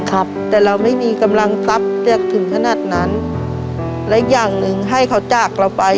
ครับแต่เราไม่มีกำลังทรัพย์จะถึงขนาดนั้นและอย่างหนึ่งให้เขาจากเราไป